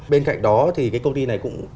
bên cạnh đó thì cái công ty này cũng